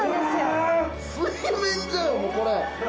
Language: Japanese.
水面じゃよ、これ。